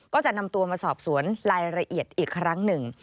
ก็จะนำตัวมาสอบสวนรายละเอียดอีกครั้งหนึ่ง